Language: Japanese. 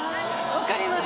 分かります？